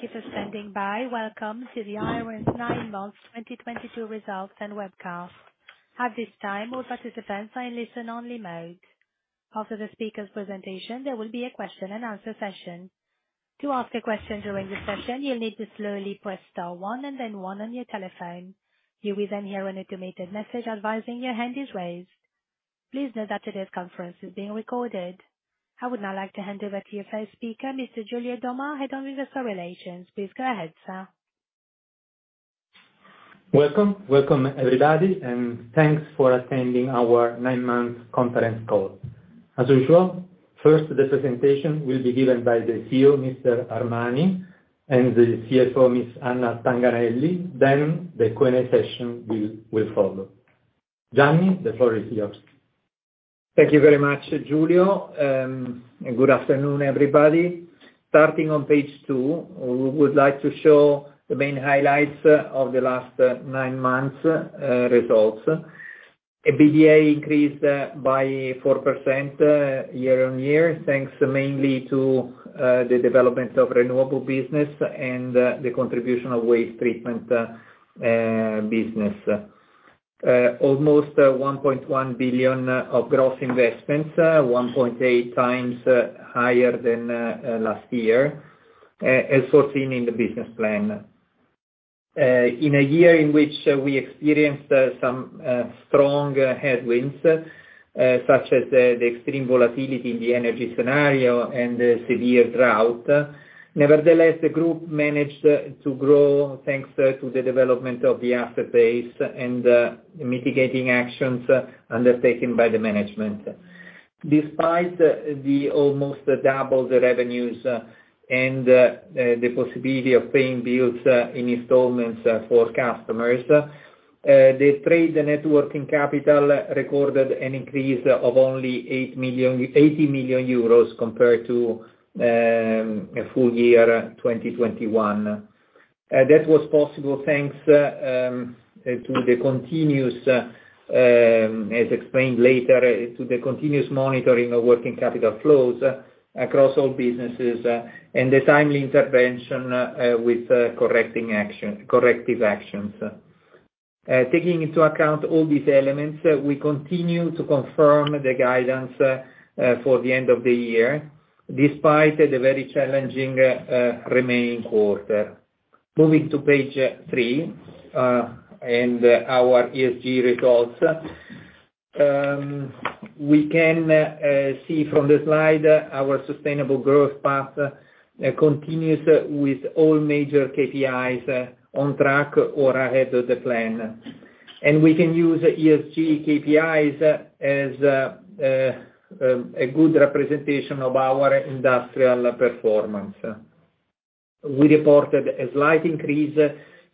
Thank you for standing by. Welcome to Iren's nine months 2022 results and webcast. At this time, all participants are in listen only mode. After the speaker's presentation, there will be a question and answer session. To ask a question during the session, you'll need to slowly press star one and then one on your telephone. You will then hear an automated message advising your hand is raised. Please note that today's conference is being recorded. I would now like to hand over to our speaker, Mr. Giulio Domma, Head of Investor Relations. Please go ahead, sir. Welcome. Welcome, everybody, and thanks for attending our nine months conference call. As usual, first the presentation will be given by the CEO, Mr. Armani, and the CFO, Ms. Anna Tanganelli, then the Q&A session will follow. Gianni, the floor is yours. Thank you very much, Giulio, and good afternoon, everybody. Starting on page two, we would like to show the main highlights of the last nine months results. EBITDA increased by 4% year-on-year, thanks mainly to the development of renewable business and the contribution of waste treatment business. Almost 1.1 billion of gross investments, 1.8 times higher than last year, as foreseen in the business plan. In a year in which we experienced some strong headwinds, such as the extreme volatility in the energy scenario and the severe drought. Nevertheless, the group managed to grow thanks to the development of the asset base and mitigating actions undertaken by the management. Despite the almost double the revenues and the possibility of paying bills in installments for customers, the trade and working capital recorded an increase of only 80 million euros compared to a full year 2021. That was possible thanks to the continuous monitoring of working capital flows across all businesses and the timely intervention with corrective actions. Taking into account all these elements, we continue to confirm the guidance for the end of the year, despite the very challenging remaining quarter. Moving to page three and our ESG results. We can see from the slide our sustainable growth path continues with all major KPIs on track or ahead of the plan. We can use ESG KPIs as a good representation of our industrial performance. We reported a slight increase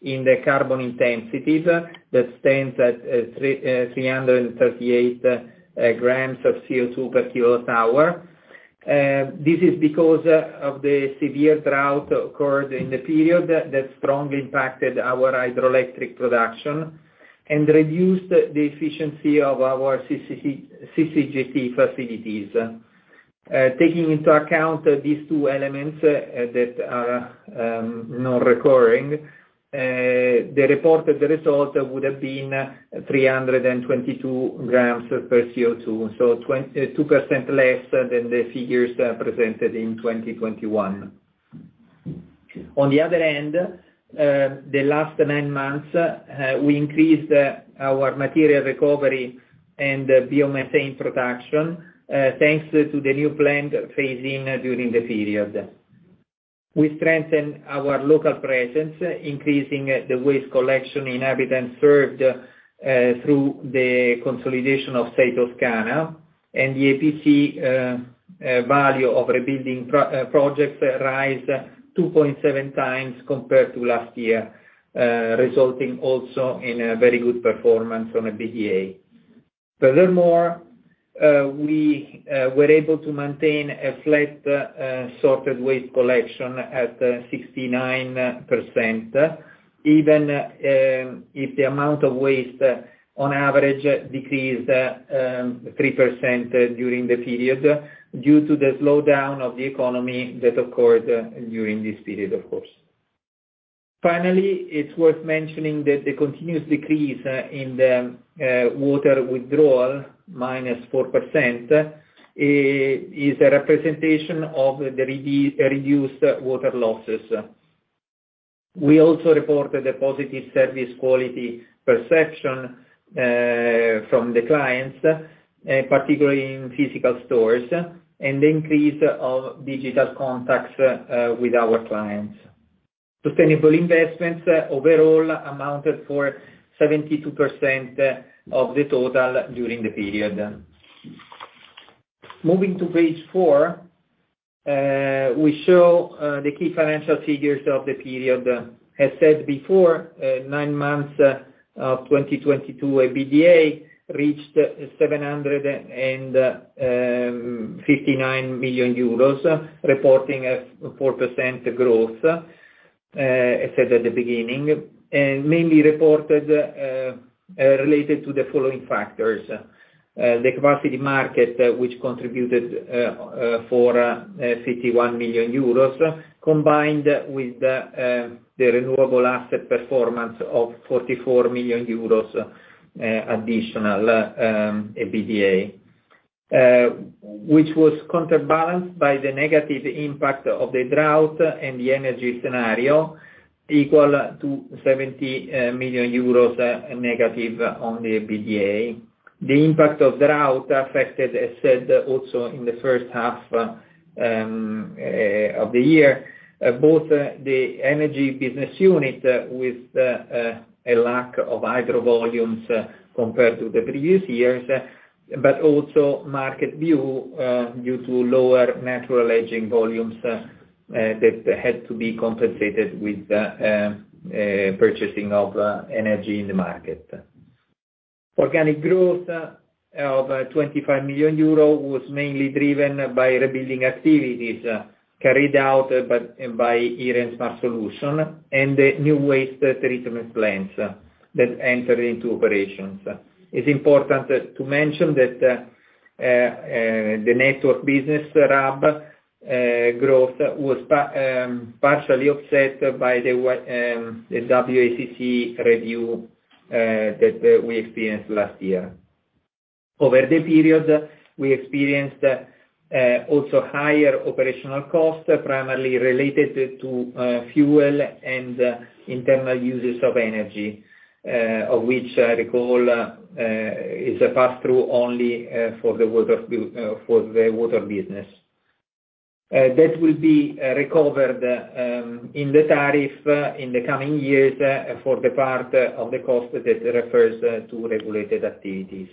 in the carbon intensities that stands at 338 g of CO2 per kWh. This is because of the severe drought occurred in the period that strongly impacted our hydroelectric production and reduced the efficiency of our CCGT facilities. Taking into account these two elements that are not recurring, the reported result would have been 322 g of CO2, so 2% less than the figures presented in 2021. On the other hand, the last nine months, we increased our material recovery and biomethane production, thanks to the new plant phasing during the period. We strengthened our local presence, increasing the waste collection in inhabitants served, through the consolidation of Sei Toscana, and the EPC value of rebuilding projects rose 2.7 times compared to last year, resulting also in a very good performance from EBITDA. Furthermore, we were able to maintain a flat sorted waste collection at 69%, even if the amount of waste on average decreased 3% during the period, due to the slowdown of the economy that occurred during this period of course. Finally, it's worth mentioning that the continuous decrease in the water withdrawal, -4%, is a representation of the reduced water losses. We also reported a positive service quality perception from the clients, particularly in physical stores, and the increase of digital contacts with our clients. Sustainable investments overall amounted for 72% of the total during the period. Moving to page four, we show the key financial figures of the period. As said before, nine months of 2022, EBITDA reached 759 million euros, reporting a 4% growth, as said at the beginning, and mainly related to the following factors, the capacity market, which contributed for 51 million euros combined with the renewable asset performance of 44 million euros additional EBITDA. Which was counterbalanced by the negative impact of the drought and the energy scenario equal to 70 million euros negative on the EBITDA. The impact of drought affected, as said, also in the first half of the year, both the energy business unit with a lack of hydro volumes compared to the previous years, but also market view due to lower natural hedging volumes that had to be compensated with the purchasing of energy in the market. Organic growth of 25 million euros was mainly driven by rebuilding activities carried out by Iren Smart Solutions and the new waste treatment plants that entered into operations. It's important to mention that the network business hub growth was partially offset by the WACC review that we experienced last year. Over the period, we experienced also higher operational costs, primarily related to fuel and internal uses of energy, of which I recall is a pass-through only for the water business. That will be recovered in the tariff in the coming years for the part of the cost that refers to regulated activities.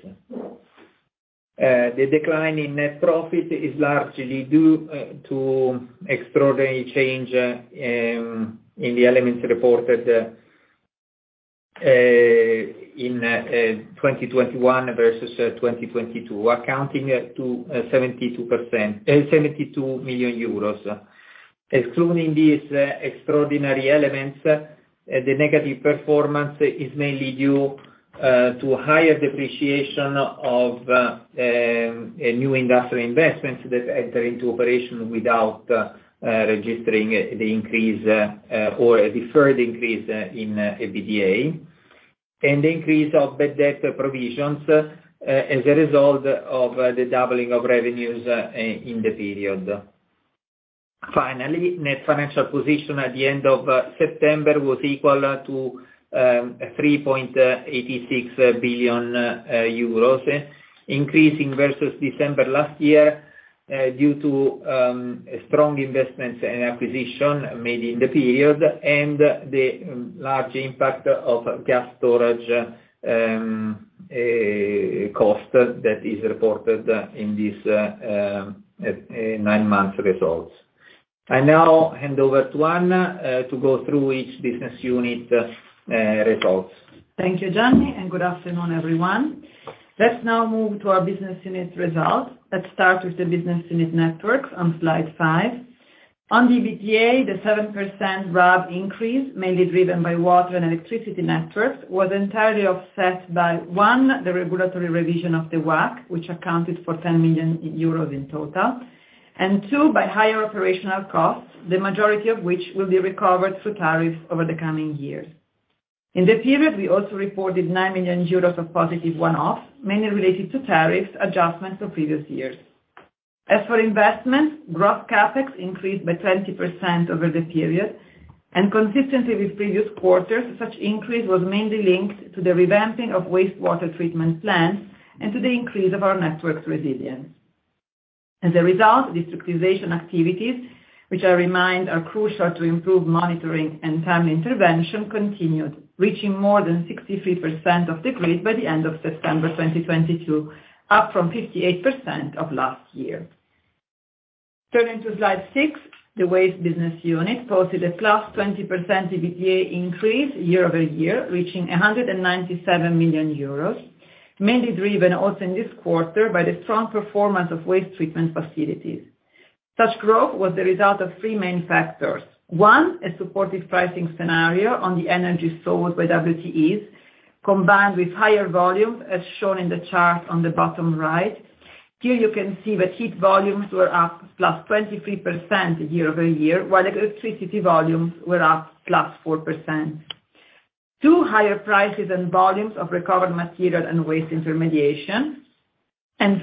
The decline in net profit is largely due to extraordinary changes in the elements reported in 2021 versus 2022, accounting for 72%, 72 million euros. Excluding these extraordinary elements, the negative performance is mainly due to higher depreciation of new industrial investments that enter into operation without registering the increase or a deferred increase in EBITDA, and an increase of bad debt provisions as a result of the doubling of revenues in the period. Finally, net financial position at the end of September was equal to 3.86 billion euros, increasing versus December last year due to strong investments and acquisition made in the period and the large impact of gas storage cost that is reported in this nine months results. I now hand over to Anna to go through each business unit results. Thank you, Gianni, and good afternoon, everyone. Let's now move to our business unit results. Let's start with the business unit networks on slide five. On EBITDA, the 7% RAB increase, mainly driven by water and electricity networks, was entirely offset by, one, the regulatory revision of the WACC, which accounted for 10 million euros in total, and two, by higher operational costs, the majority of which will be recovered through tariffs over the coming years. In the period, we also reported 9 million euros of positive one-off, mainly related to tariffs adjustments for previous years. As for investment, gross CapEx increased by 20% over the period, and consistently with previous quarters, such increase was mainly linked to the revamping of wastewater treatment plants and to the increase of our network's resilience. As a result, these utilization activities, which I remind are crucial to improve monitoring and time intervention, continued, reaching more than 63% of the grid by the end of September 2022, up from 58% of last year. Turning to slide six, the waste business unit posted a +20% EBITDA increase year-over-year, reaching 197 million euros, mainly driven also in this quarter by the strong performance of waste treatment facilities. Such growth was the result of three main factors. One, a supportive pricing scenario on the energy sold by WTE, combined with higher volumes, as shown in the chart on the bottom right. Here you can see the heat volumes were up +23% year-over-year, while electricity volumes were up +4%. Two, higher prices and volumes of recovered material and waste intermediation.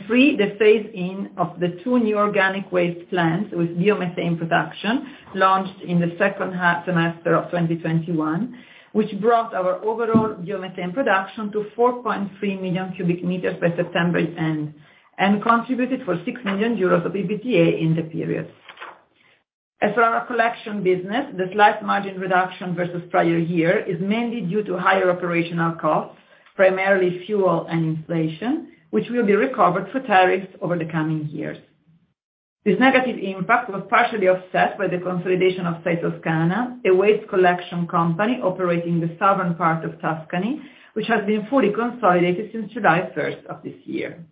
Three, the phase in of the two new organic waste plants with biomethane production launched in the second half of 2021, which brought our overall biomethane production to 4.3 million cu m by September 10, and contributed for 6 million euros of EBITDA in the period. As for our collection business, the slight margin reduction versus prior year is mainly due to higher operational costs, primarily fuel and inflation, which will be recovered for tariffs over the coming years. This negative impact was partially offset by the consolidation of Sei Toscana, a waste collection company operating the southern part of Tuscany, which has been fully consolidated since July 1st of this year.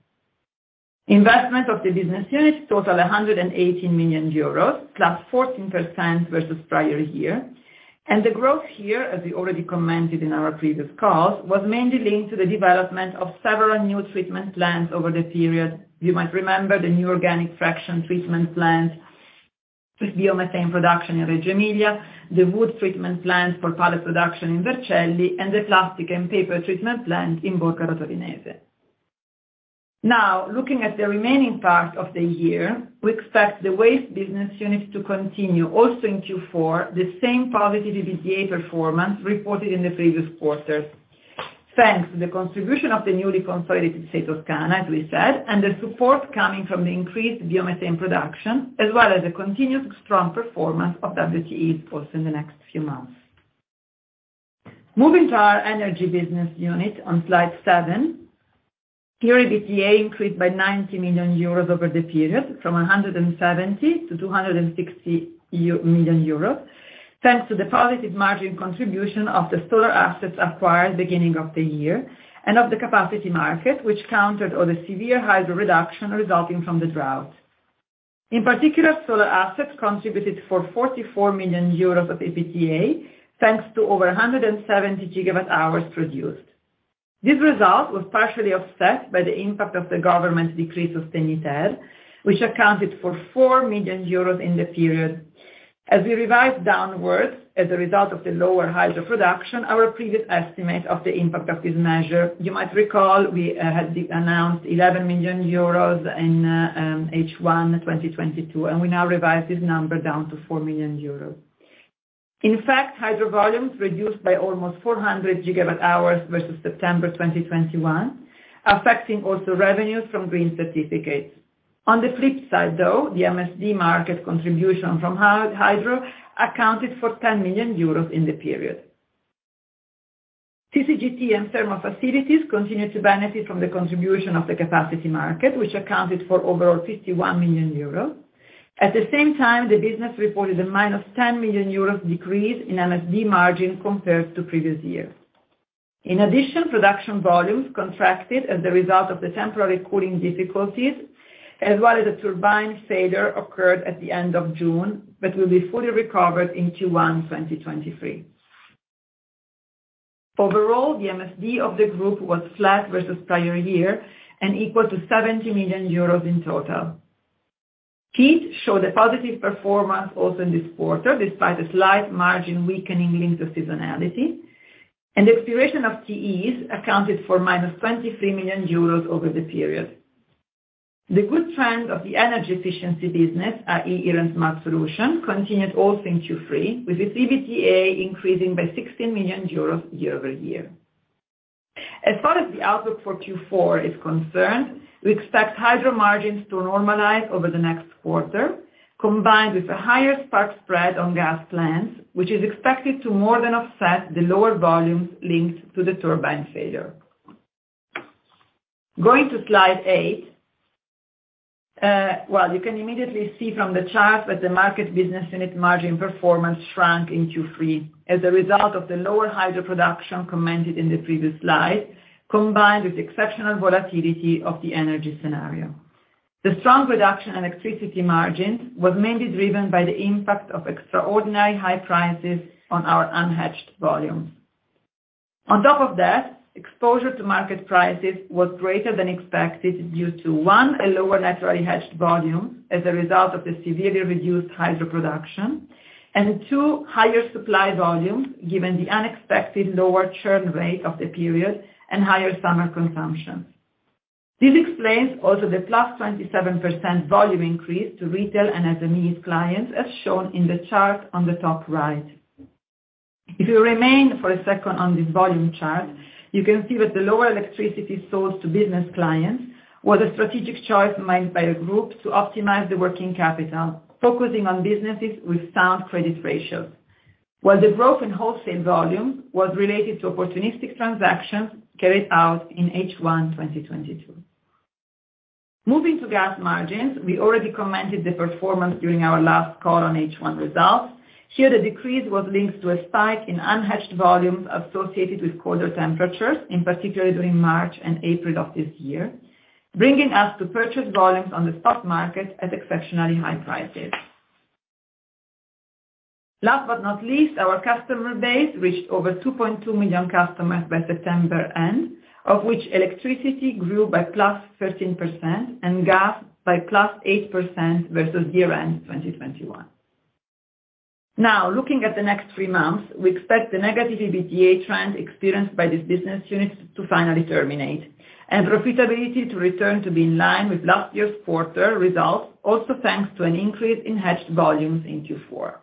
Investment of the business units total 118 million euros, +14% versus prior year. The growth here, as we already commented in our previous calls, was mainly linked to the development of several new treatment plants over the period. You might remember the new organic fraction treatment plant with biomethane production in Reggio Emilia, the wood treatment plant for pallet production in Vercelli, and the plastic and paper treatment plant in Borgaro Torinese. Now, looking at the remaining part of the year, we expect the waste business unit to continue also in Q4 the same positive EBITDA performance reported in the previous quarters. Thanks to the contribution of the newly consolidated Sei Toscana, as we said, and the support coming from the increased biomethane production, as well as the continued strong performance of WTEs also in the next few months. Moving to our energy business unit on slide seven. Here, EBITDA increased by 90 million euros over the period from 170 million to 260 million euros, thanks to the positive margin contribution of the solar assets acquired beginning of the year and of the capacity market, which countered all the severe hydro reduction resulting from the drought. In particular, solar assets contributed for 44 million euros of EBITDA, thanks to over 170 GWh produced. This result was partially offset by the impact of the [government's decree of the MiTE], which accounted for 4 million euros in the period. As we revised downwards as a result of the lower hydro production, our previous estimate of the impact of this measure, you might recall we had announced 11 million euros in H1 2022, and we now revised this number down to 4 million euros. In fact, hydro volumes reduced by almost 400 GWh versus September 2021, affecting also revenues from green certificates. On the flip side, though, the MSD market contribution from hydro accounted for 10 million euros in the period. CCGT and thermal facilities continued to benefit from the contribution of the capacity market, which accounted for overall 51 million euros. At the same time, the business reported a -10 million euros decrease in MSD margin compared to previous year. In addition, production volumes contracted as a result of the temporary cooling difficulties, as well as a turbine failure occurred at the end of June, but will be fully recovered in Q1 2023. Overall, the MSD of the group was flat versus prior year and equal to 70 million euros in total. Heat showed a positive performance also in this quarter, despite a slight margin weakening linked to seasonality, and the expiration of [TEE] accounted for -23 million euros over the period. The good trend of the energy efficiency business, i.e., Iren Smart Solutions, continued also in Q3, with its EBITDA increasing by 16 million euros year-over-year. As far as the outlook for Q4 is concerned, we expect hydro margins to normalize over the next quarter, combined with a higher spark spread on gas plants, which is expected to more than offset the lower volumes linked to the turbine failure. Going to slide eight, you can immediately see from the chart that the market business unit margin performance shrank in Q3 as a result of the lower hydro production commented in the previous slide, combined with exceptional volatility of the energy scenario. The strong reduction in electricity margins was mainly driven by the impact of extraordinary high prices on our unhedged volumes. On top of that, exposure to market prices was greater than expected due to, one, a lower naturally hedged volume as a result of the severely reduced hydro production, and two, higher supply volumes, given the unexpected lower churn rate of the period and higher summer consumption. This explains also the +27% volume increase to retail and SMEs clients, as shown in the chart on the top right. If you remain for a second on this volume chart, you can see that the lower electricity sold to business clients was a strategic choice made by the group to optimize the working capital, focusing on businesses with sound credit ratios, while the growth in wholesale volume was related to opportunistic transactions carried out in H1 2022. Moving to gas margins, we already commented the performance during our last call on H1 results. Here, the decrease was linked to a spike in unhedged volumes associated with colder temperatures, in particular during March and April of this year, bringing us to purchase volumes on the stock market at exceptionally high prices. Last but not least, our customer base reached over 2.2 million customers by September end, of which electricity grew by +13% and gas by +8% versus year-end 2021. Now, looking at the next three months, we expect the negative EBITDA trend experienced by this business unit to finally terminate, and profitability to return to be in line with last year's quarter results, also thanks to an increase in hedged volumes in Q4.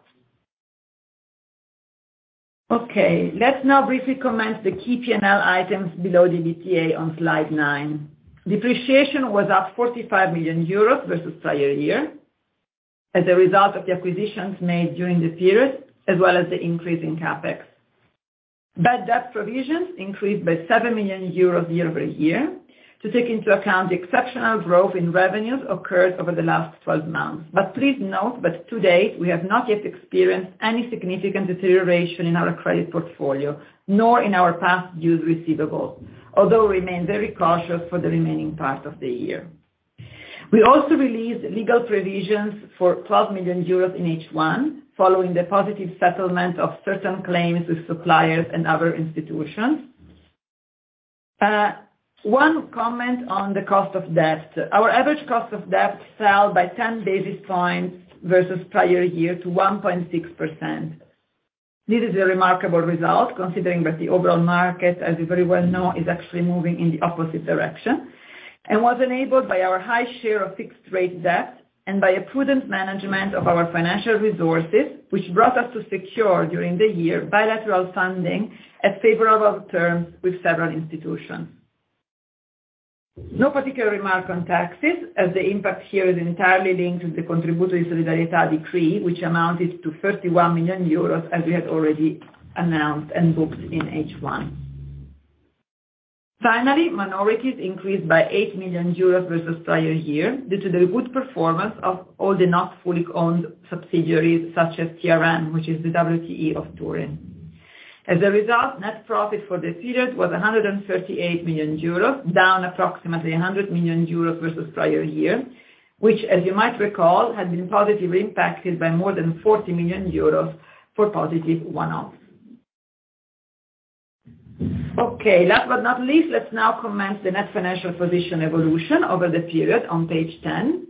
Okay, let's now briefly comment the key P&L items below the EBITDA on slide nine. Depreciation was up 45 million euros versus prior year as a result of the acquisitions made during the period as well as the increase in CapEx. Bad debt provisions increased by 7 million euros year-over-year to take into account the exceptional growth in revenues occurred over the last 12 months. Please note that to date, we have not yet experienced any significant deterioration in our credit portfolio, nor in our past due receivables, although we remain very cautious for the remaining part of the year. We also released legal provisions for 12 million euros in H1, following the positive settlement of certain claims with suppliers and other institutions. One comment on the cost of debt. Our average cost of debt fell by 10 basis points versus prior year to 1.6%. This is a remarkable result, considering that the overall market, as you very well know, is actually moving in the opposite direction, and was enabled by our high share of fixed rate debt and by a prudent management of our financial resources, which brought us to secure, during the year, bilateral funding at favorable terms with several institutions. No particular remark on taxes, as the impact here is entirely linked to the contributo di solidarietà, which amounted to 31 million euros, as we had already announced and booked in H1. Finally, minorities increased by 8 million euros versus prior year, due to the good performance of all the not fully owned subsidiaries, such as TRM, which is the WTE of Turin. As a result, net profit for the period was 138 million euros, down approximately 100 million euros versus prior year, which as you might recall, had been positively impacted by more than 40 million euros for positive one-offs. Okay. Last but not least, let's now comment on the net financial position evolution over the period on page 10.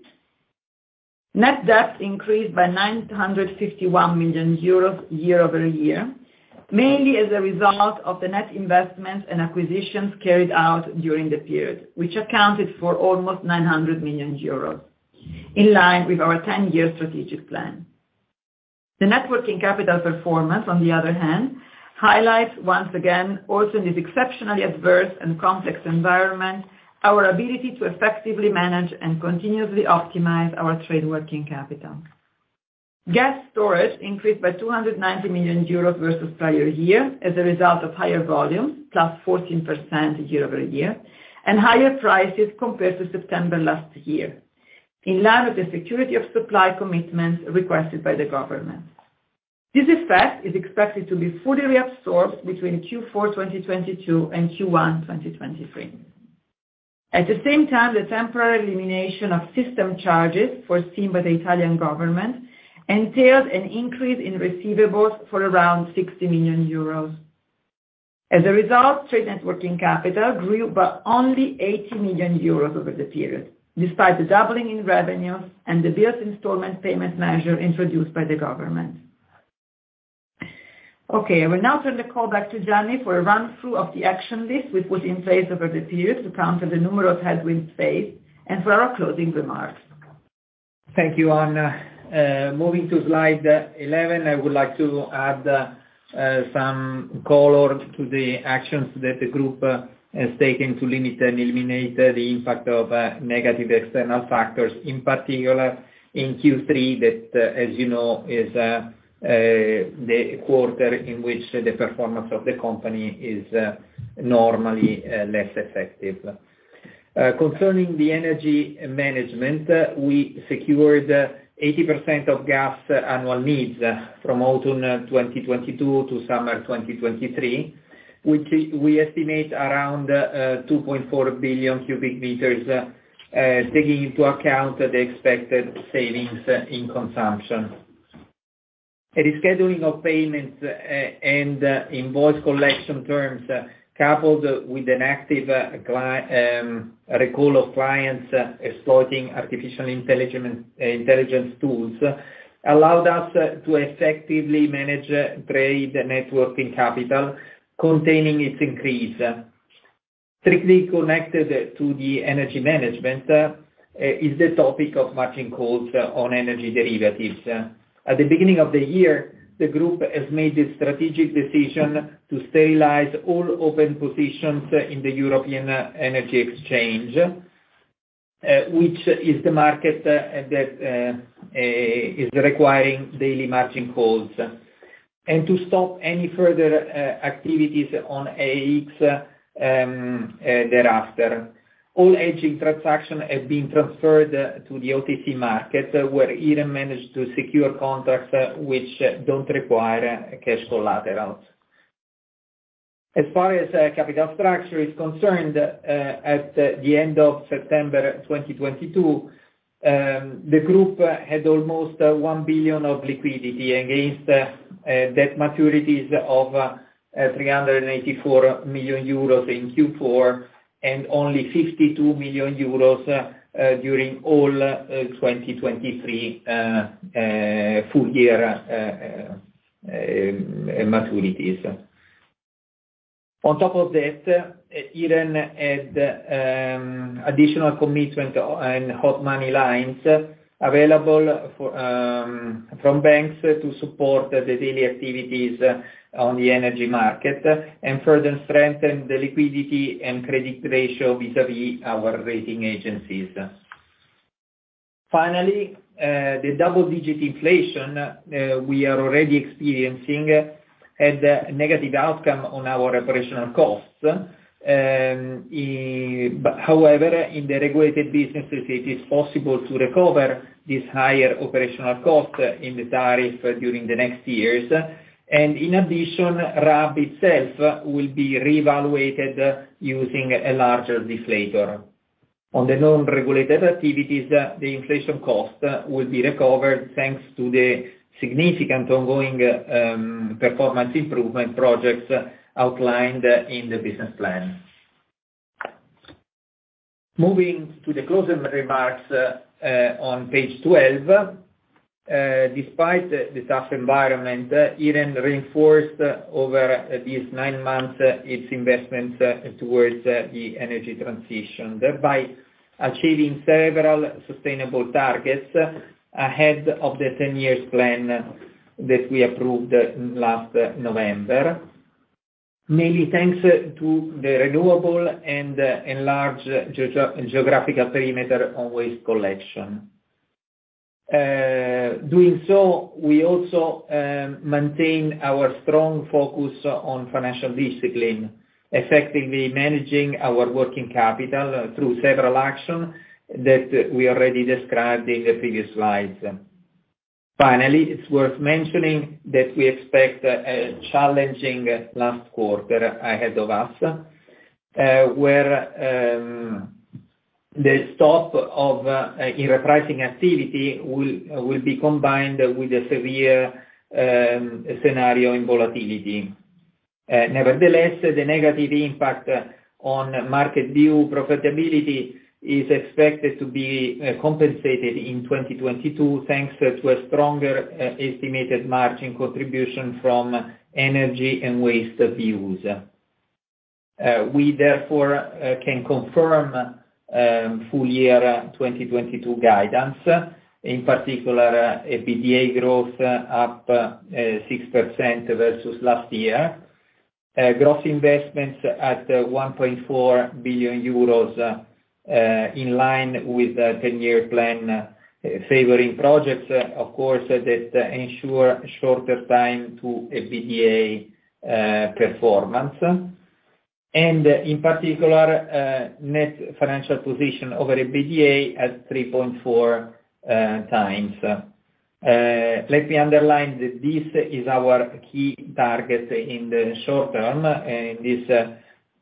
Net debt increased by 951 million euros year-over-year, mainly as a result of the net investments and acquisitions carried out during the period, which accounted for almost 900 million euros, in line with our 10-year strategic plan. The net working capital performance, on the other hand, highlights once again, also in this exceptionally adverse and complex environment, our ability to effectively manage and continuously optimize our trade working capital. Gas storage increased by 290 million euros versus prior year as a result of higher volume, +14% year-over-year, and higher prices compared to September last year, in line with the security of supply commitments requested by the government. This effect is expected to be fully reabsorbed between Q4 in 2022 and Q1 2023. At the same time, the temporary elimination of system charges foreseen by the Italian government entailed an increase in receivables for around 60 million euros. As a result, trade net working capital grew by only 80 million euros over the period, despite the doubling in revenues and the bills installment payment measure introduced by the government. Okay, I will now turn the call back to Gianni for a run-through of the action list we put in place over the period to counter the numerous headwinds faced, and for our closing remarks. Thank you, Anna. Moving to slide 11, I would like to add some color to the actions that the group has taken to limit and eliminate the impact of negative external factors, in particular in Q3, that, as you know, is the quarter in which the performance of the company is normally less effective. Concerning the energy management, we secured 80% of gas annual needs from autumn 2022 to summer 2023, which we estimate around 2.4 billion cu m, taking into account the expected savings in consumption. The rescheduling of payments and invoice collection terms, coupled with an active recall of clients exploring artificial intelligence tools, allowed us to effectively manage net working capital, containing its increase. Strictly connected to the energy management is the topic of matching calls on energy derivatives. At the beginning of the year, the group has made a strategic decision to sterilize all open positions in the European Energy Exchange, which is the market that is requiring daily margin calls. To stop any further activities on EEX, thereafter, all hedging transaction have been transferred to the OTC market, where Iren managed to secure contracts which don't require cash collaterals. As far as capital structure is concerned, at the end of September 2022, the group had almost 1 billion of liquidity against debt maturities of 384 million euros in Q4, and only 52 million euros during all 2023 full year maturities. On top of that, Iren had additional committed and hot money lines available from banks to support the daily activities on the energy market and further strengthen the liquidity and credit ratio vis-à-vis our rating agencies. Finally, the double-digit inflation we are already experiencing had a negative outcome on our operational costs. However, in the regulated businesses, it is possible to recover this higher operational cost in the tariff during the next years. In addition, RAB itself will be reevaluated using a larger deflator. On the non-regulated activities, the inflation cost will be recovered thanks to the significant ongoing performance improvement projects outlined in the business plan. Moving to the closing remarks on page 12. Despite the tough environment, Iren reinforced over these nine months its investments towards the energy transition, thereby achieving several sustainable targets ahead of the 10-year plan that we approved last November, mainly thanks to the renewable and enlarged geographical perimeter on waste collection. Doing so, we also maintain our strong focus on financial discipline, effectively managing our working capital through several actions that we already described in the previous slides. Finally, it's worth mentioning that we expect a challenging last quarter ahead of us, where the stop of in repricing activity will be combined with the severe scenario in volatility. Nevertheless, the negative impact on market-wide profitability is expected to be compensated in 2022, thanks to a stronger estimated margin contribution from energy and waste views. We therefore can confirm full year 2022 guidance, in particular EBITDA growth up 6% versus last year. Gross investments at 1.4 billion euros in line with the 10-year plan favoring projects, of course, that ensure shorter time to EBITDA performance. In particular, net financial position over EBITDA at 3.4 times. Let me underline that this is our key target in the short term, and this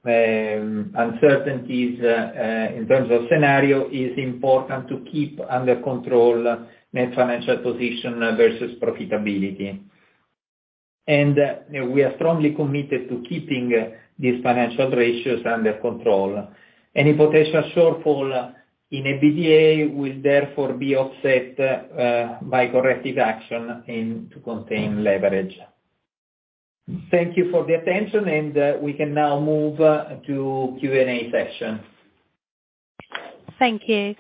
uncertainties in terms of scenario is important to keep under control net financial position versus profitability. We are strongly committed to keeping these financial ratios under control. Any potential shortfall in EBITDA will therefore be offset by corrective action and to contain leverage. Thank you for the attention, and we can now move to Q&A session. Thank you.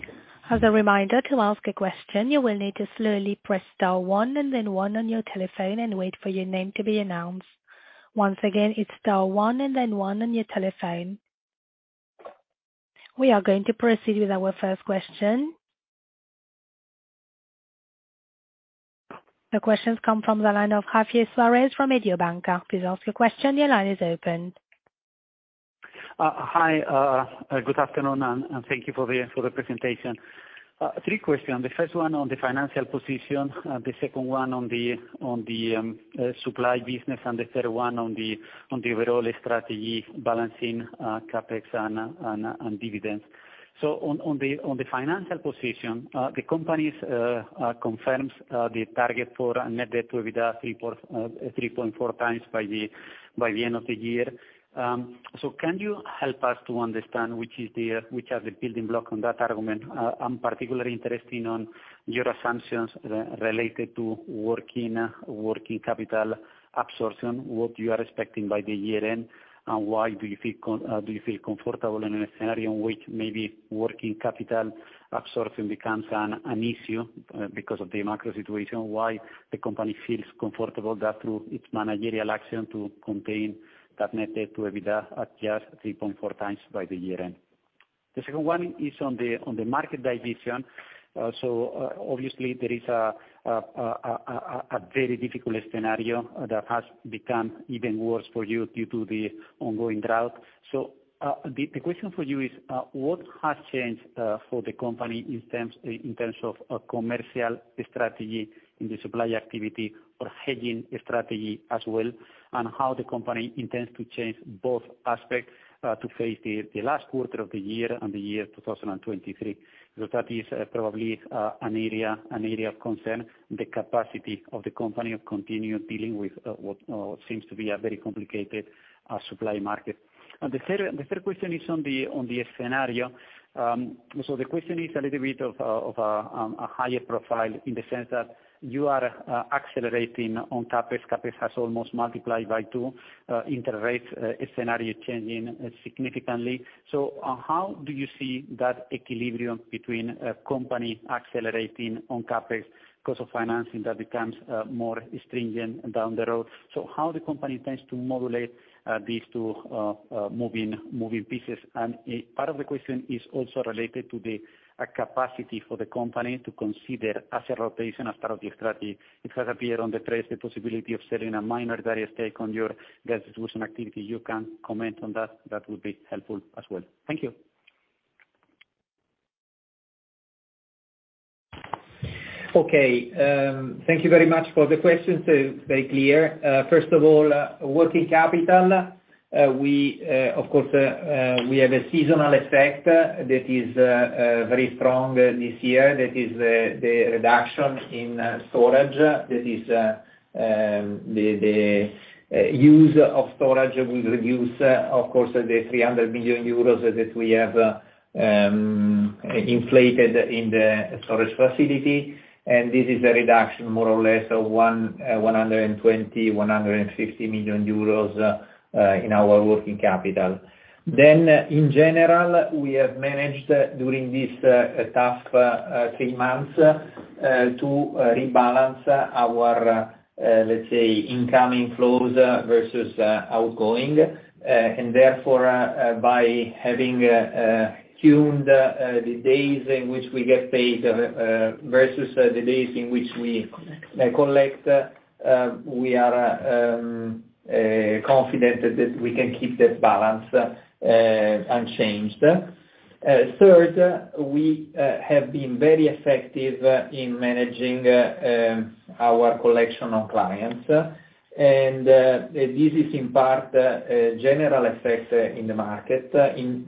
As a reminder, to ask a question, you will need to slowly press star one and then one on your telephone and wait for your name to be announced. Once again, it's star one and then one on your telephone. We are going to proceed with our first question. The questions come from the line of Javier Suárez from Mediobanca. Please ask your question. Your line is open. Hi, good afternoon, and thank you for the presentation. Three questions. The first one on the financial position, the second one on the supply business, and the third one on the overall strategy balancing CapEx and dividends. On the financial position, the company confirms the target for net debt to EBITDA 3.4 times by the end of the year. Can you help us to understand which are the building block on that argument? I'm particularly interested in your assumptions related to working capital absorption, what you are expecting by the year end, and why do you feel comfortable in a scenario in which maybe working capital absorption becomes an issue because of the macro situation, why the company feels comfortable that through its managerial action to contain that net debt to EBITDA at just 3.4 times by the year end? The second one is on the market division. Obviously there is a very difficult scenario that has become even worse for you due to the ongoing drought. The question for you is what has changed for the company in terms of a commercial strategy in the supply activity or hedging strategy as well, and how the company intends to change both aspects to face the last quarter of the year and the year 2023? Because that is probably an area of concern, the capacity of the company to continue dealing with what seems to be a very complicated supply market. The third question is on the scenario. The question is a little bit of a higher profile in the sense that you are accelerating on CapEx. CapEx has almost multiplied by two, interest rates scenario changing significantly. How do you see that equilibrium between a company accelerating on CapEx cost of financing that becomes more stringent down the road? How does the company tend to modulate these two moving pieces? A part of the question is also related to the capacity for the company to consider asset rotation as part of the strategy. It has appeared in the press the possibility of selling a minority stake in your gas distribution activity. You can comment on that. That would be helpful as well. Thank you. Okay. Thank you very much for the question, so it's very clear. First of all, working capital, we, of course, have a seasonal effect that is very strong this year, that is the use of storage we reduce, of course the 300 million euros that we have inflated in the storage facility. This is a reduction more or less of 120 million-150 million euros in our working capital. In general, we have managed during this tough three months to rebalance our, let's say, incoming flows versus outgoing. Therefore, by having tuned the days in which we get paid versus the days in which we collect, we are confident that we can keep that balance unchanged. Third, we have been very effective in managing our collection on clients. This is in part general effects in the market in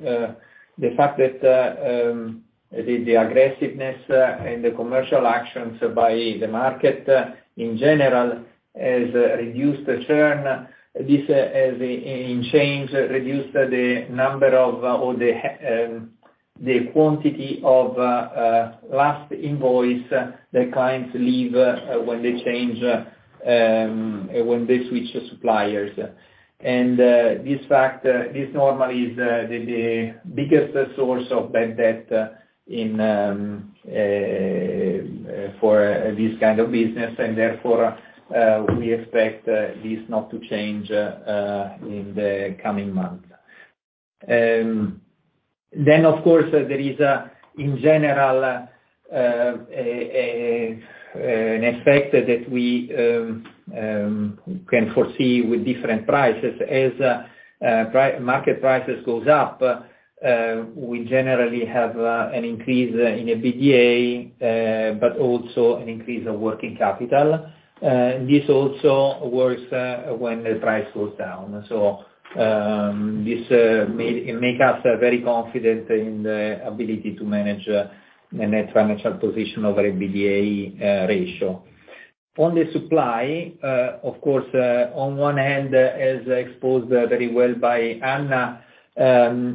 the fact that the aggressiveness and the commercial actions by the market in general has reduced the churn. This has in turn reduced the number of or the quantity of last invoice that clients leave when they change when they switch suppliers. This fact this normally is the biggest source of bad debt in this kind of business. Therefore, we expect this not to change in the coming months. Of course there is, in general, an effect that we can foresee with different prices. As market prices goes up, we generally have an increase in EBITDA, but also an increase of working capital. This also works when the price goes down. This makes us very confident in the ability to manage the net financial position over EBITDA ratio. On the supply, of course, on one hand, as explained very well by Anna,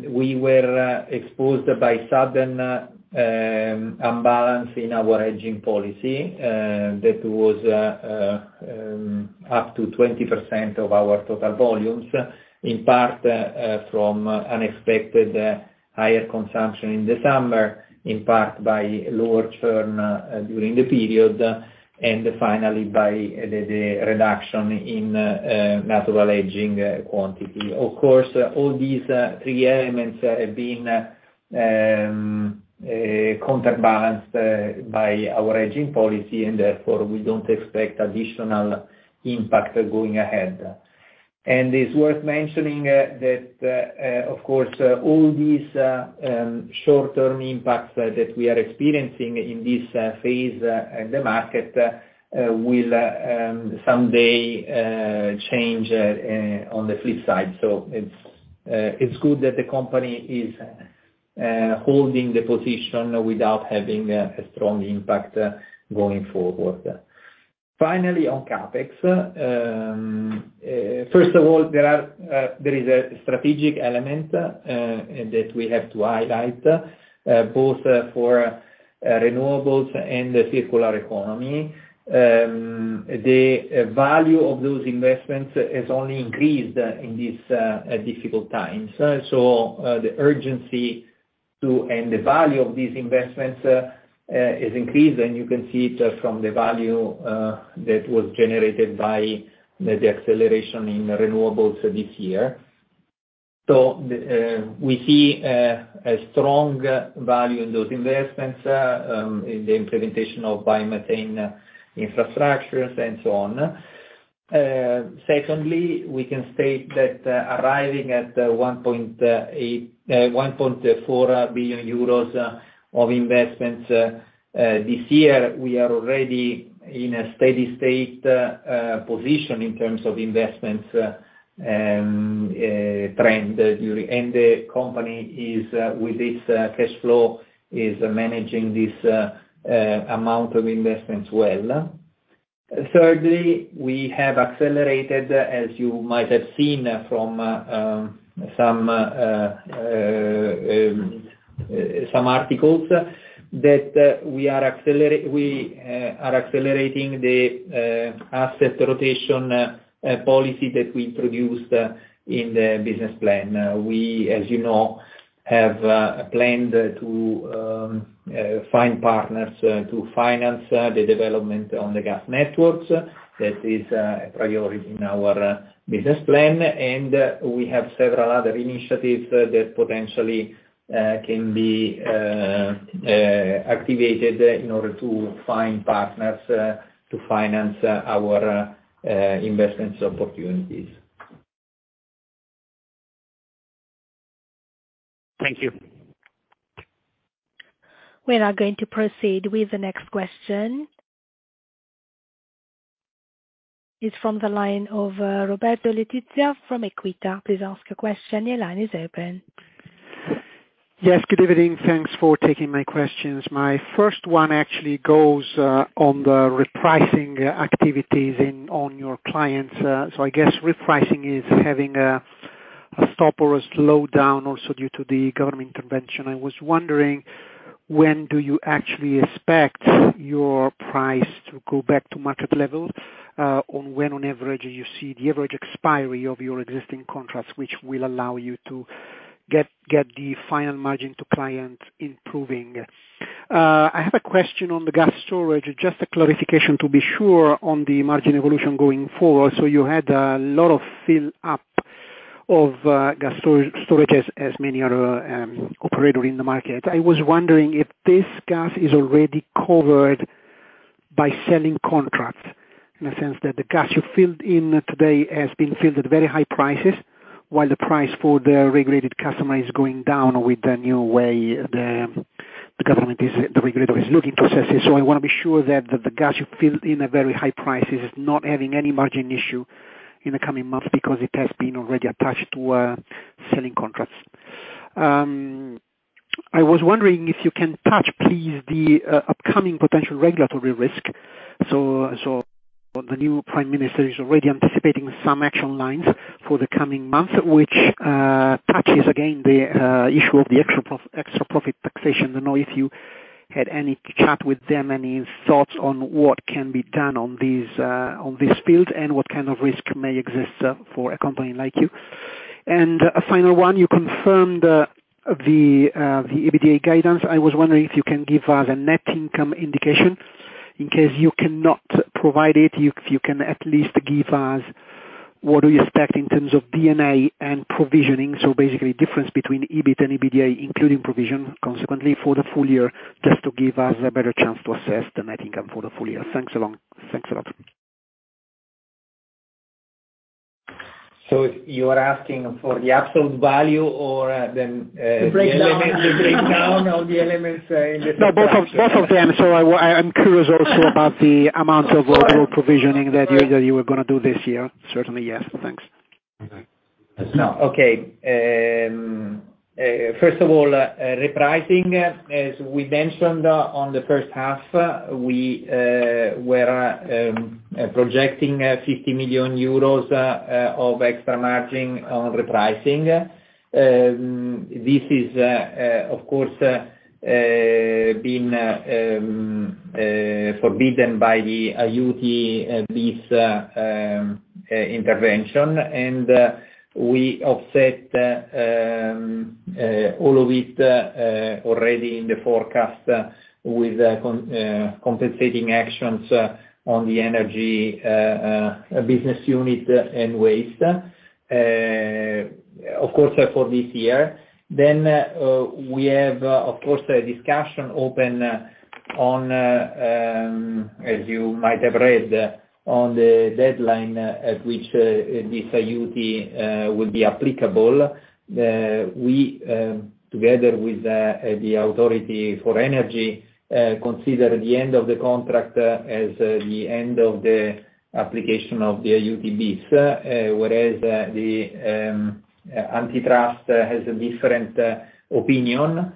we were exposed to sudden imbalance in our hedging policy, that was up to 20% of our total volumes, in part from unexpected higher consumption in the summer, in part by lower churn during the period, and finally by the reduction in natural hedging quantity. Of course, all these three elements have been counterbalanced by our hedging policy, and therefore we don't expect additional impact going ahead. It's worth mentioning that, of course, all these short-term impacts that we are experiencing in this phase in the market will someday change on the flip side. It's good that the company is holding the position without having a strong impact going forward. Finally, on CapEx. First of all, there is a strategic element that we have to highlight both for renewables and the circular economy. The value of those investments has only increased in these difficult times. The urgency and the value of these investments is increased, and you can see it from the value that was generated by the acceleration in renewables this year. We see a strong value in those investments in the implementation of biomethane infrastructures and so on. Secondly, we can state that arriving at 1.4 billion euros of investments this year, we are already in a steady state position in terms of investments trend. The company is, with its cash flow, is managing this amount of investments well. Thirdly, we have accelerated, as you might have seen from some articles that we are accelerating the asset rotation policy that we produced in the business plan. We, as you know, have planned to find partners to finance the development on the gas networks. That is a priority in our business plan, and we have several other initiatives that potentially can be activated in order to find partners to finance our investment opportunities. Thank you. We are going to proceed with the next question. It's from the line of Roberto Letizia from Equita. Please ask your question. Your line is open. Yes, good evening. Thanks for taking my questions. My first one actually goes on the repricing activities on your clients. I guess repricing is having a stop or a slowdown also due to the government intervention. I was wondering when do you actually expect your price to go back to market level, and when, on average, you see the average expiry of your existing contracts which will allow you to get the final margin to client improving. I have a question on the gas storage, just a clarification to be sure on the margin evolution going forward. You had a lot of fill up of gas storage as many other operator in the market. I was wondering if this gas is already covered by selling contracts, in a sense that the gas you filled in today has been filled at very high prices, while the price for the regulated customer is going down with the new way the government is, the regulator is looking to assess it. I wanna be sure that the gas you filled in at very high prices is not having any margin issue in the coming months because it has been already attached to selling contracts. I was wondering if you can touch, please, the upcoming potential regulatory risk. The new prime minister is already anticipating some action lines for the coming months, which touches again the issue of the extra profit taxation. Don't know if you had any chat with them, any thoughts on what can be done on these, on this field, and what kind of risk may exist for a company like you. A final one, you confirmed the EBITDA guidance. I was wondering if you can give us a net income indication. In case you cannot provide it, you, if you can at least give us what do you expect in terms of D&A and provisioning, so basically difference between EBIT and EBITDA, including provision, consequently for the full year, just to give us a better chance to assess the net income for the full year. Thanks a lot. You are asking for the absolute value or then? The breakdown. The breakdown of the elements. No, both of them. I'm curious also about the amount of overall provisioning that you were gonna do this year. Certainly, yes. Thanks. No. Okay. First of all, repricing, as we mentioned on the first half, we were projecting 50 million euros of extra margin on repricing. This is, of course, been forbidden by the Aiuti-bis intervention. We offset all of it already in the forecast with compensating actions on the energy business unit and waste, of course, for this year. We have, of course, a discussion open on, as you might have read, on the deadline at which this Aiuti will be applicable. We, together with the authority for energy, consider the end of the contract as the end of the application of the Aiuti-bis, whereas the antitrust has a different opinion.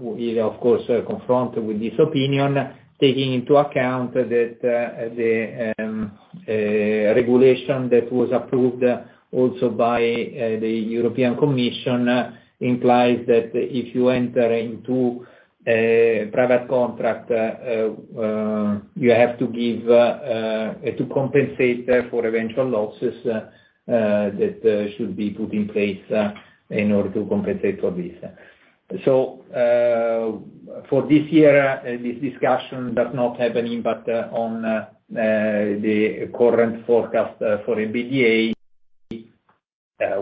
We of course are confronted with this opinion, taking into account that the regulation that was approved also by the European Commission implies that if you enter into a private contract, you have to give to compensate for eventual losses that should be put in place in order to compensate for this. For this year, this discussion that's not happening, but on the current forecast for EBITDA,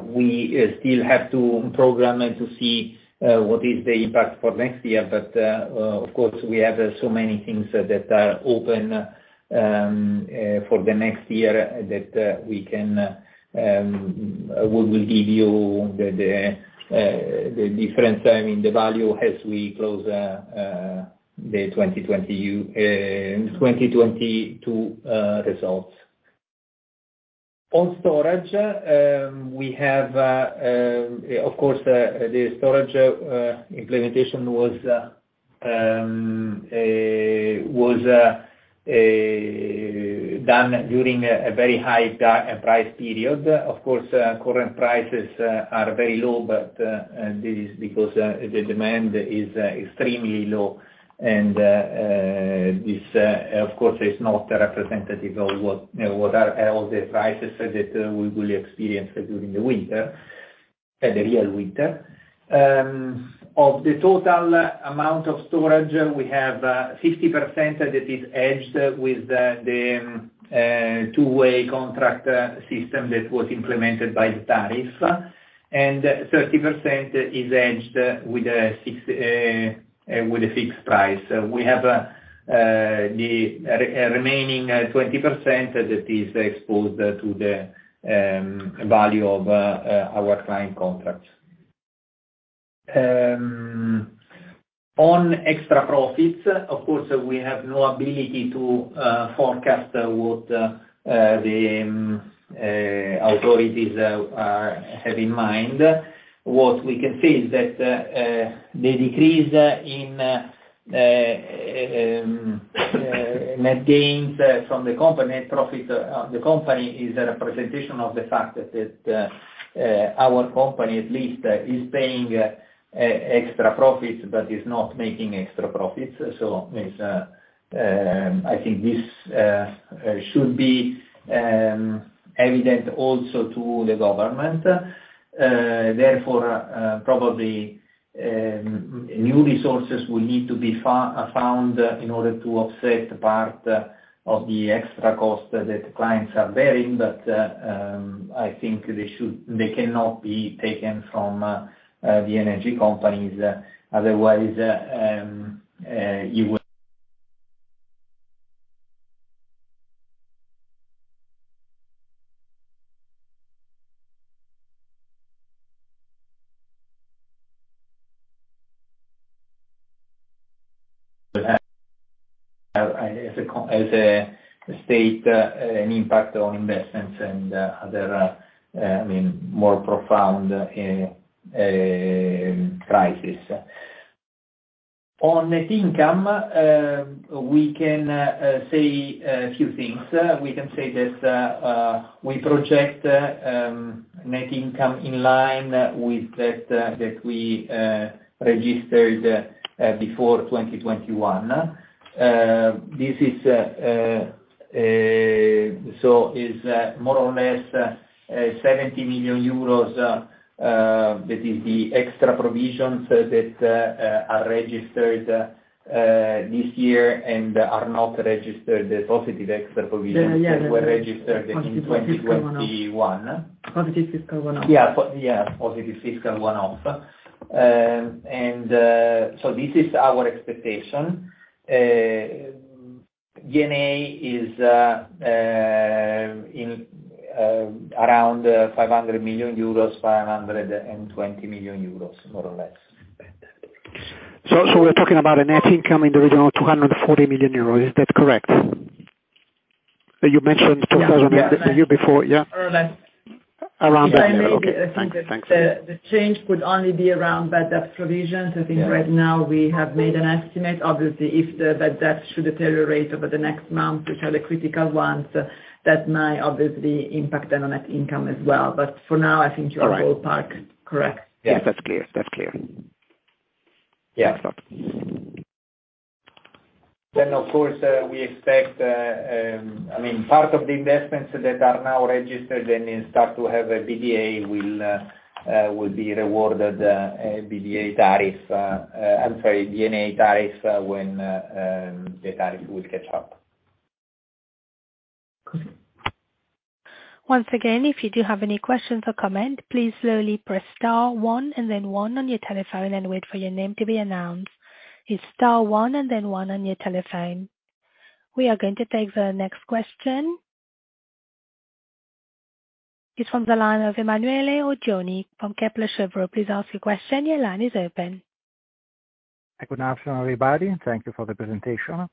we still have to program and to see what is the impact for next year. Of course, we have so many things that are open for the next year that we can, we will give you the difference, I mean, the value as we close the 2022 results. On storage, we have, of course, the storage implementation was done during a very high price period. Of course, current prices are very low. This is because the demand is extremely low. This of course is not representative of what, you know, what are all the prices that we will experience during the winter, the real winter. Of the total amount of storage, we have 50% that is hedged with the two-way contract system that was implemented by the tariff, and 30% is hedged with a six with a fixed price. We have the remaining 20% that is exposed to the value of our client contracts. On extra profits, of course, we have no ability to forecast what the authorities have in mind. What we can say is that the decrease in net gains from the company profits. The company is a representation of the fact that our company at least is paying extra profits but is not making extra profits. It's, I think this should be evident also to the government. Therefore, probably, new resources will need to be found in order to offset the part of the extra cost that the clients are bearing, but I think they cannot be taken from the energy companies. Otherwise, you will, as a consequence, as a state, have an impact on investments and other, I mean, more profound crisis. On net income, we can say a few things. We can say that we project net income in line with that we registered before 2021. is more or less 70 million euros, that is the extra provisions that are registered this year and are not registered as positive extra provisions... Yeah, yeah. That were registered in 2021. Positive fiscal one-off. Positive fiscal one-off. This is our expectation. D&A is around 500 million euros, 520 million euros, more or less. We're talking about a net income in the region of 240 million euros. Is that correct? You mentioned 200 million the year before. Yeah. More or less. Around that area. Okay. Thanks. The change would only be around bad debt provisions. I think right now we have made an estimate. Obviously, if the bad debts should deteriorate over the next month, which are the critical ones, that might obviously impact the net income as well. For now, I think you are ballpark correct. Yes, that's clear. That's clear. Of course, we expect, I mean, part of the investments that are now registered and start to have a RAB will be rewarded, I'm sorry, a RAB tariff when the tariff will catch up. Once again, if you do have any questions or comments, please slowly press star one and then one on your telephone and wait for your name to be announced. It's star one and then one on your telephone. We are going to take the next question. It's from the line of Emanuele Oggioni from Kepler Cheuvreux. Please ask your question. Your line is open. Good afternoon, everybody. Thank you for the presentation.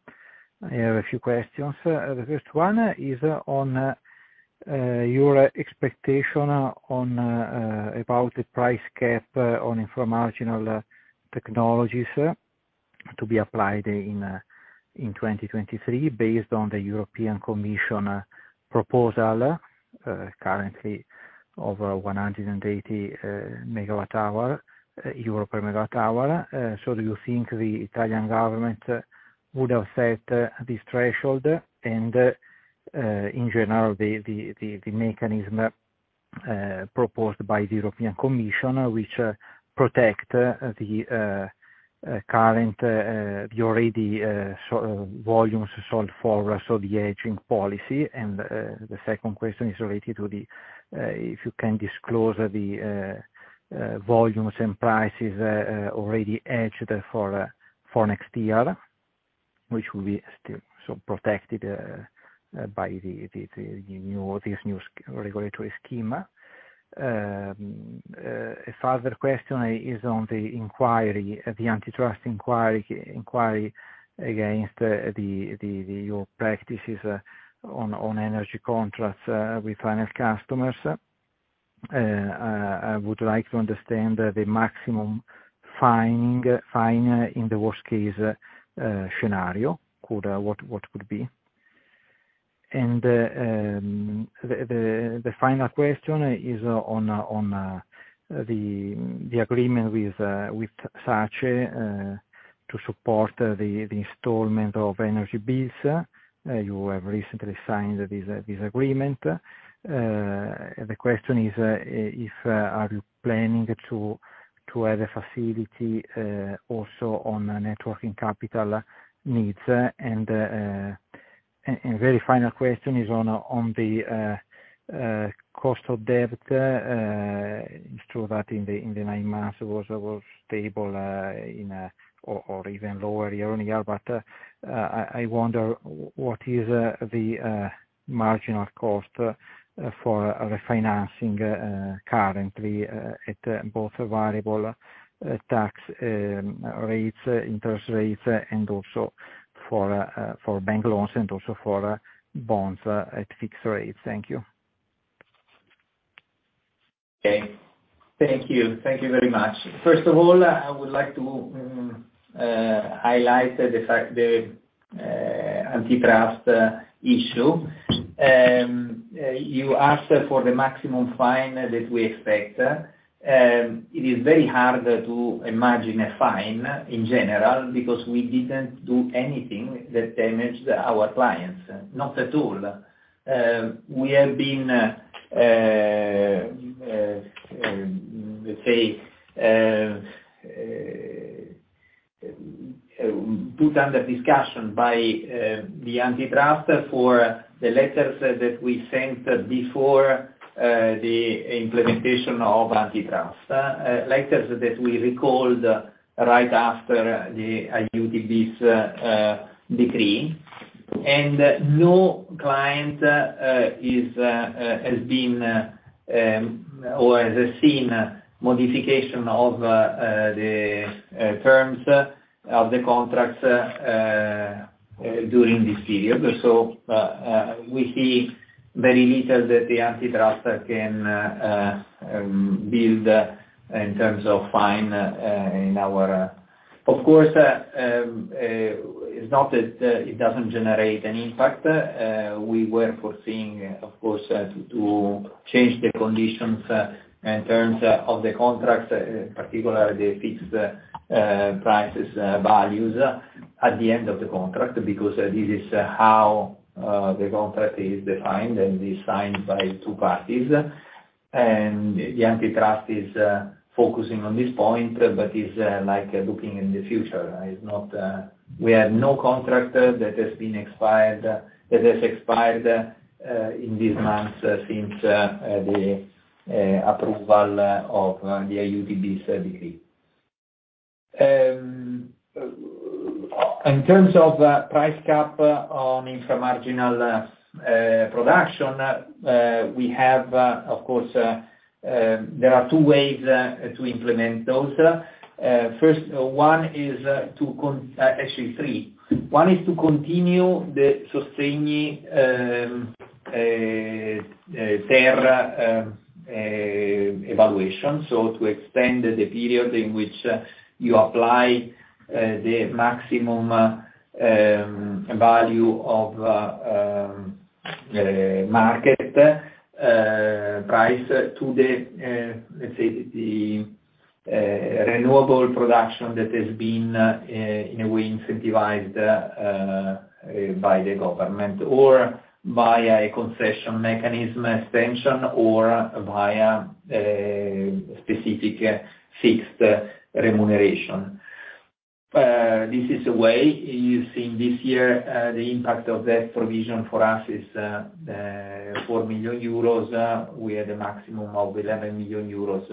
I have a few questions. The first one is on your expectation about the price cap on infra-marginal technologies to be applied in 2023 based on the European Commission proposal, currently over EUR 180 per MWh. Do you think the Italian government would have set this threshold and, in general, the mechanism proposed by the European Commission, which protect the current already sold volumes sold forward, so the hedging policy? The second question is related to if you can disclose the volumes and prices already hedged for next year, which will be still so protected by this new regulatory scheme. A further question is on the antitrust inquiry against your practices on energy contracts with final customers. I would like to understand the maximum fine in the worst case scenario, what could be. The final question is on the agreement with SACE to support the installment of energy bills. You have recently signed this agreement. The question is, if you are planning to have a facility also on net working capital needs and very final question is on the cost of debt. It's true that in the nine months it was stable, or even lower year-on-year. I wonder what is the marginal cost for refinancing currently, at both variable and fixed interest rates, and also for bank loans and also for bonds at fixed rates. Thank you. Okay. Thank you. Thank you very much. First of all, I would like to highlight the fact the antitrust issue. You asked for the maximum fine that we expect. It is very hard to imagine a fine in general, because we didn't do anything that damaged our clients, not at all. We have been, let's say, put under discussion by the antitrust for the letters that we sent before the implementation of antitrust letters that we recalled right after the Aiuti-bis decree. No client has been or has seen modification of the terms of the contracts during this period. We see very little that the antitrust can build in terms of fine in our. Of course, it's not that it doesn't generate an impact. We were foreseeing, of course, to change the conditions in terms of the contracts, particularly the fixed prices values at the end of the contract, because this is how the contract is defined, and is signed by two parties. The antitrust is focusing on this point, but is like looking in the future. It's not. We have no contract that has expired in these months since the approval of the Aiuti-bis decree. In terms of price cap on infra-marginal production, we have, of course, there are two ways to implement those. First one is, actually three. One is to continue the Sostegni ter evaluation, so to extend the period in which you apply the maximum value of market price to the, let's say, the renewable production that has been in a way incentivized by the government, or via a concession mechanism extension, or via specific fixed remuneration. This is a way. You've seen this year the impact of that provision for us is 4 million euros. We had a maximum of 11 million euros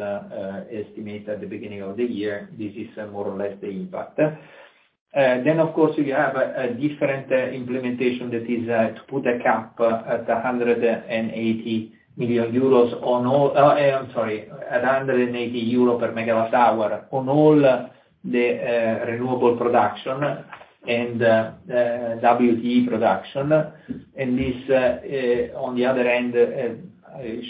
estimated at the beginning of the year. This is more or less the impact. Of course, you have a different implementation that is to put a cap at 180 million euros on all. I'm sorry, at 180 euro per MWh on all the renewable production and WTE production. This on the other end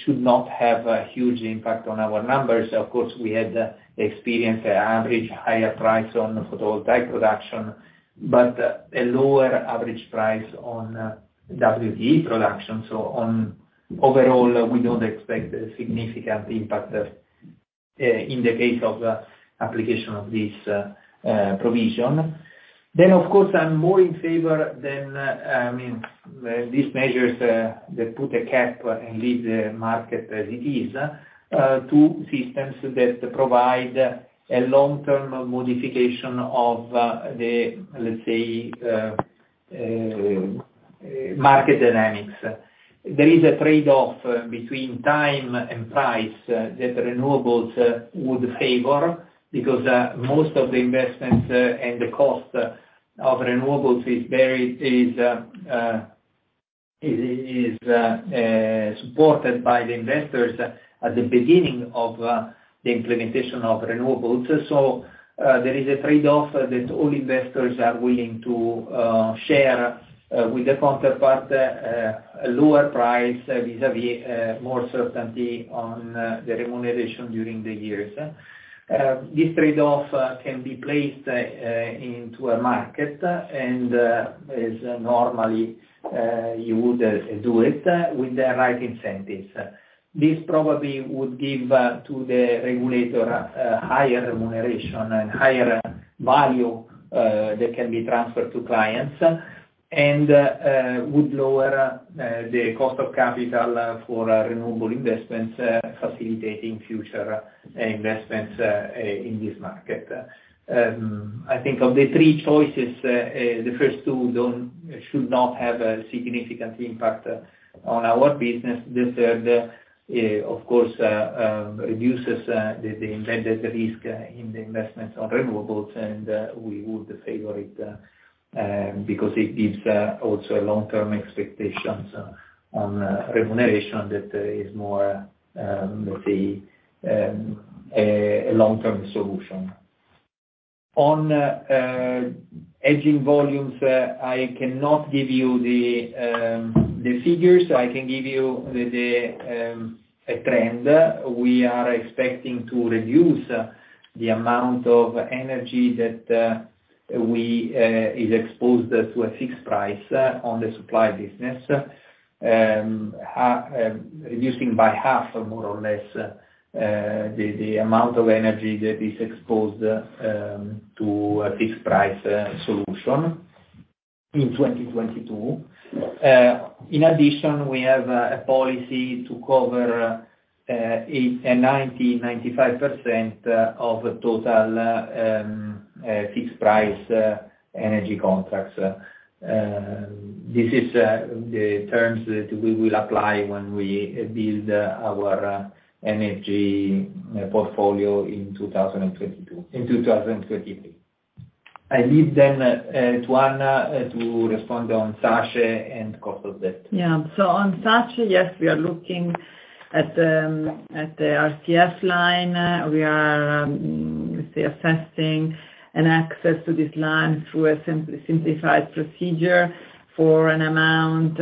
should not have a huge impact on our numbers. Of course, we had experienced an average higher price on photovoltaic production, but a lower average price on WTE production. Overall, we don't expect a significant impact in the case of application of this provision. Of course, I'm more in favor than, I mean, these measures that put a cap and leave the market as it is to systems that provide a long-term modification of the, let's say, market dynamics. There is a trade-off between time and price that renewables would favor, because most of the investments and the cost of renewables is very supported by the investors at the beginning of the implementation of renewables. There is a trade-off that all investors are willing to share with the counterpart, a lower price vis-à-vis more certainty on the remuneration during the years. This trade-off can be placed into a market and, as normally you would do it with the right incentives. This probably would give to the regulator a higher remuneration and higher value that can be transferred to clients and would lower the cost of capital for renewable investments, facilitating future investments in this market. I think of the three choices, the first two should not have a significant impact on our business. The third, of course, reduces the embedded risk in the investments on renewables, and we would favor it because it gives also long-term expectations on remuneration that is more, let's say, a long-term solution. On hedging volumes, I cannot give you the figures. I can give you a trend. We are expecting to reduce the amount of energy that is exposed to a fixed price in the supply business, reducing by half or more or less the amount of energy that is exposed to a fixed price solution in 2022. In addition, we have a policy to cover 80%-95% of total fixed price energy contracts. This is the terms that we will apply when we build our energy portfolio in 2023. I leave then to Anna to respond on SACE and cost of debt. Yeah. On SACE, yes, we are looking at the RCF line. We are, let's say, assessing an access to this line through a simplified procedure for an amount,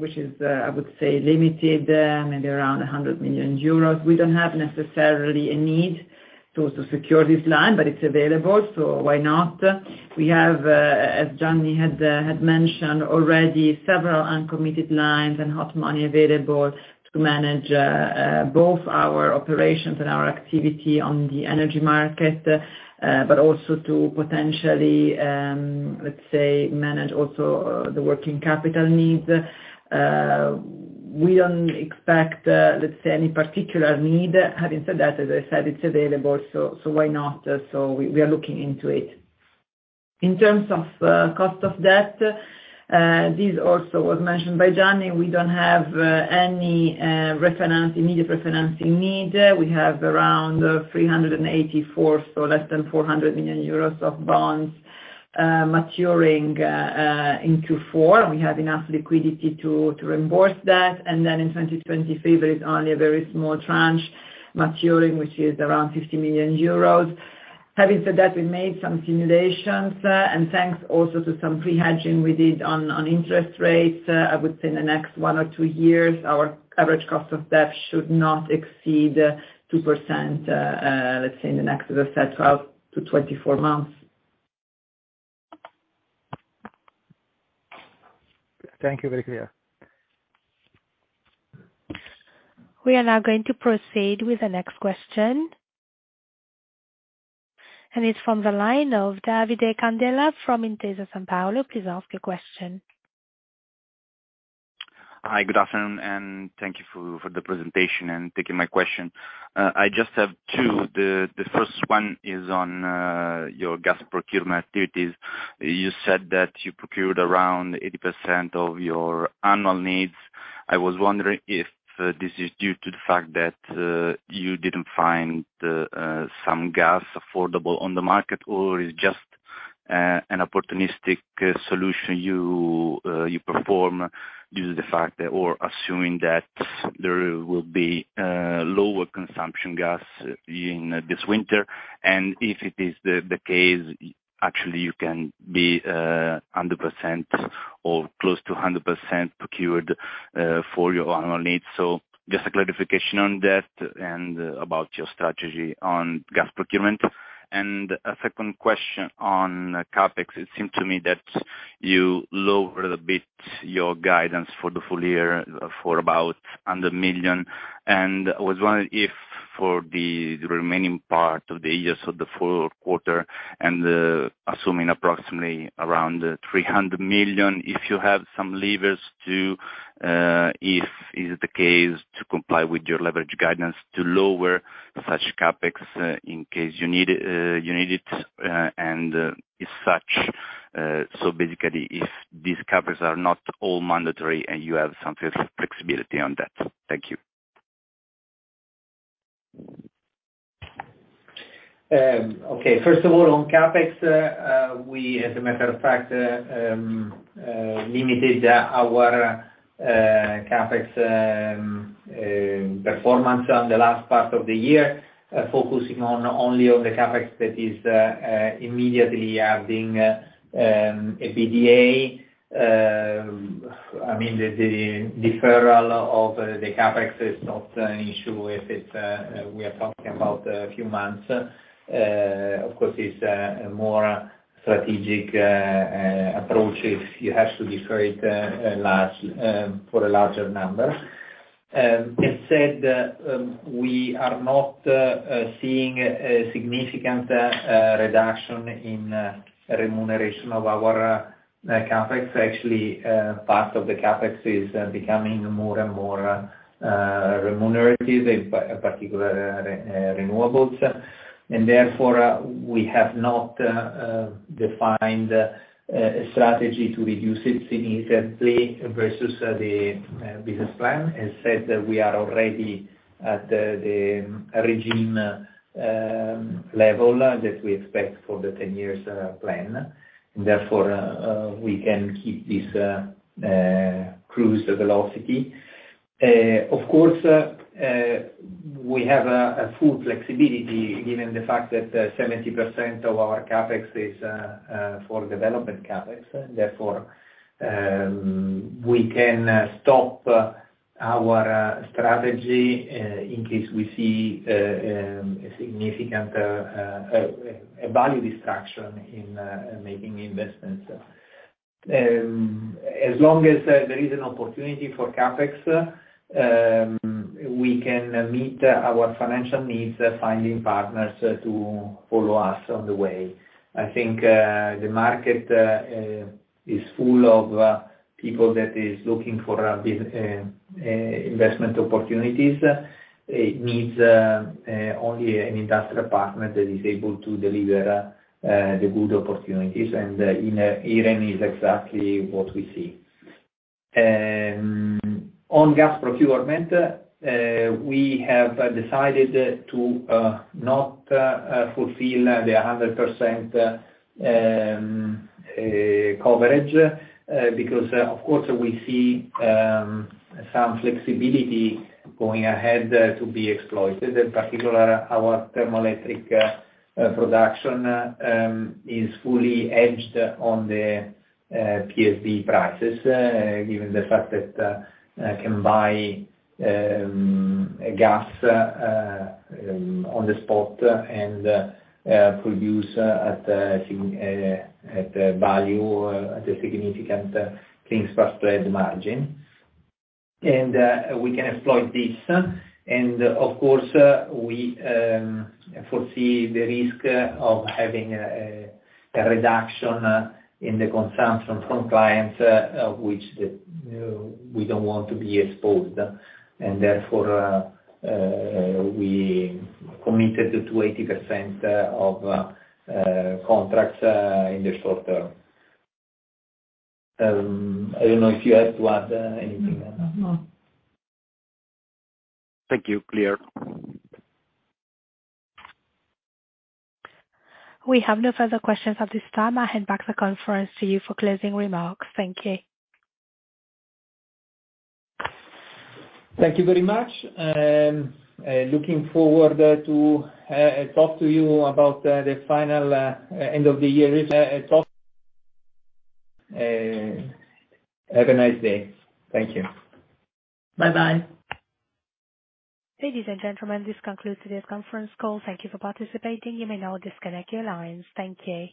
which is, I would say, limited, maybe around 100 million euros. We don't have necessarily a need to secure this line, but it's available, so why not? We have, as Gianni had mentioned already, several uncommitted lines and half money available to manage both our operations and our activity on the energy market, but also to potentially, let's say, manage also the working capital needs. We don't expect, let's say, any particular need. Having said that, as I said, it's available, so why not? We are looking into it. In terms of cost of debt, this also was mentioned by Gianni. We don't have any immediate refinancing need. We have around 384 million, so less than 400 million euros of bonds maturing in Q4. We have enough liquidity to reimburse that. Then in 2023, there is only a very small tranche maturing, which is around 50 million euros. Having said that, we made some simulations, and thanks also to some pre-hedging we did on interest rates, I would say in the next one or two years, our average cost of debt should not exceed 2%, let's say in the next, as I said, 12 months-24 months. Thank you. Very clear. We are now going to proceed with the next question. It's from the line of Davide Candela from Intesa Sanpaolo. Please ask your question. Hi, good afternoon, and thank you for the presentation and taking my question. I just have two. The first one is on your gas procurement activities. You said that you procured around 80% of your annual needs. I was wondering if this is due to the fact that you didn't find some gas affordable on the market or is just an opportunistic solution you perform due to the fact that or assuming that there will be lower gas consumption in this winter. If it is the case, actually you can be 100% or close to 100% procured for your annual needs. Just a clarification on that and about your strategy on gas procurement. A second question on CapEx. It seemed to me that you lowered a bit your guidance for the full year for about 100 million. I was wondering if for the remaining part of the year, so the fourth quarter, assuming approximately around 300 million, if you have some levers to, if it's the case, to comply with your leverage guidance to lower such CapEx in case you need it, and if such. So basically if these CapEx are not all mandatory and you have some flexibility on that. Thank you. Okay. First of all, on CapEx, we, as a matter of fact, limited our CapEx performance on the last part of the year, focusing only on the CapEx that is immediately adding EBITDA. I mean, the deferral of the CapEx is not an issue if it's we are talking about a few months. Of course, it's a more strategic approach if you have to defer it for a larger number. As said, we are not seeing a significant reduction in remuneration of our CapEx. Actually, part of the CapEx is becoming more and more remunerative in particular renewables. Therefore, we have not defined a strategy to reduce it significantly versus the business plan. As said, we are already at the regime level that we expect for the 10-year plan. Therefore, we can keep this cruise velocity. Of course, we have a full flexibility given the fact that 70% of our CapEx is for development CapEx. Therefore, we can stop our strategy in case we see a significant value destruction in making investments. As long as there is an opportunity for CapEx, we can meet our financial needs, finding partners to follow us on the way. I think, the market is full of people that is looking for investment opportunities. It needs only an industrial partner that is able to deliver the good opportunities, and Iren is exactly what we see. On gas procurement, we have decided to not fulfill the 100% coverage, because, of course, we see some flexibility going ahead to be exploited. In particular, our thermoelectric production is fully hedged on the PSV prices, given the fact that I can buy gas on the spot and produce at a significant clean spark spread margin. We can exploit this. Of course, we foresee the risk of having a reduction in the consumption from clients, of which we don't want to be exposed. Therefore, we committed to 80% of contracts in the short term. I don't know if you have to add anything. No. Thank you. Clear. We have no further questions at this time. I hand back the conference to you for closing remarks. Thank you. Thank you very much. Looking forward to talk to you about the final end of the year results. Have a nice day. Thank you. Bye-bye. Ladies and gentlemen, this concludes today's conference call. Thank you for participating. You may now disconnect your lines. Thank you.